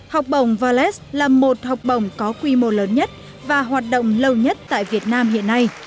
học bổng valet là một học bổng có quy mô lớn nhất và hoạt động lâu nhất tại việt nam hiện nay